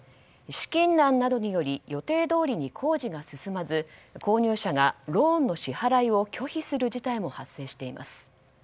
資金難などにより予定どおり工事が進まず購入者がローンの支払いを拒否する事態も発生しています。